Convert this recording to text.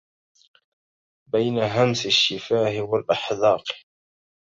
بين همس الشفاه والأحداق